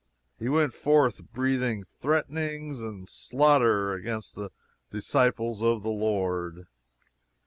He went forth "breathing threatenings and slaughter against the disciples of the Lord."